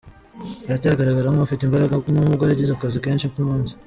Aracyagaragara nk’ufite imbaraga n’ubwo yagize akazi kenshi k’umunsi.